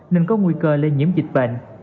nên có nguy cơ lây nhiễm dịch bệnh